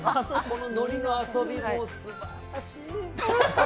こののりの遊びもすばらしい。